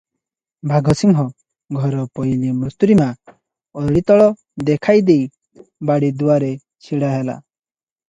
ବାଘସିଂହ ଘର ପୋଇଲୀ ମୃତୁରୀମା ଓଳିତଳ ଦେଖାଇଦେଇ ବାଡ଼ିଦୁଆରେ ଛିଡ଼ାହେଲା ।